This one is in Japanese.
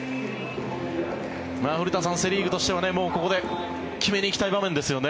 古田さん、セ・リーグとしてはここで決めに行きたい場面ですよね。